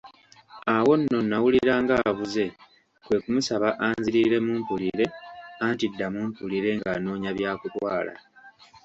Awo nno nawulira ng'abuze kwe kumusaba anziriremu mpulire, anti ddamu mpulire, ng'anoonya bya kutwala.